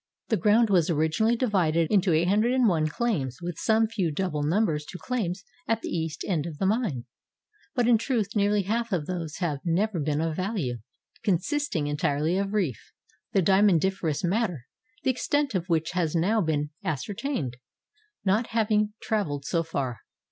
The ground was originally divided into 801 claims with some few double numbers to claims at the east end of the mine; — but in truth nearly half of those have never been of value, consisting entirely of reef, the dia mondiferous matter, the extent of which has now been ascertained, not having traveled so far.